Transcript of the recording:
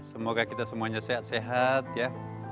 semoga kita semuanya sehat sehat ya